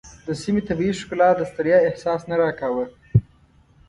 د سیمې طبیعي ښکلا د ستړیا احساس نه راکاوه.